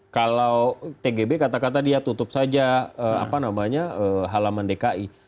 kalau tgb kata kata dia tutup saja halaman dki